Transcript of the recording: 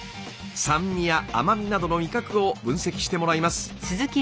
酸味や甘みなどの味覚を分析してもらいます。